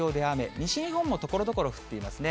西日本もところどころ降っていますね。